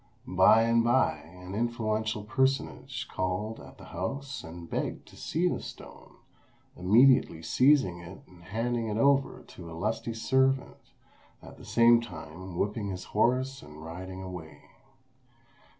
By and by an influential personage called at the house and begged to see the stone, immediately seizing it and handing it over to a lusty servant, at the same time whipping his horse and riding away.